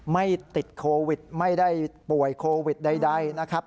ไม่ติดโควิดไม่ได้ป่วยโควิดใดนะครับ